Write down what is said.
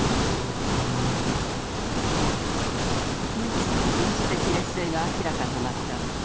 ドイツの軍事的劣勢が明らかとなった